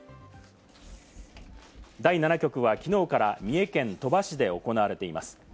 第７局はきのうから三重県鳥羽市で行われています。